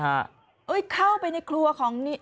เฮ้ยเข้าไปในครัวของนี่